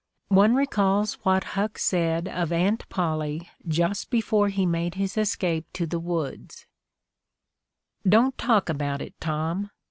One recalls what Huck said of Aunt Polly just before he made his escape to the woods: "Don't talk about it, Tom.